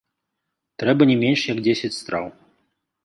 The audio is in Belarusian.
Трэба не менш як дзесяць страў.